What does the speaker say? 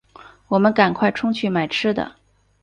我们赶快冲去买吃的